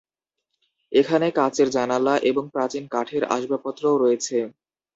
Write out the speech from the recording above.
এখানে কাঁচের জানালা এবং প্রাচীন কাঠের আসবাবপত্রও রয়েছে।